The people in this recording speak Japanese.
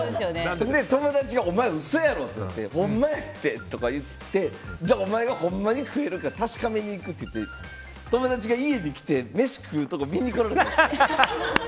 友達がお前嘘やろって言ってほんまや！とか言ってじゃあ、お前がほんまに食えるか確かめに行くって友達が家に来て飯食うとこ見に来ました。